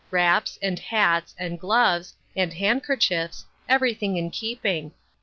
Wraps, and hats, and gloves, and hand kerchiefs — everything in keeping.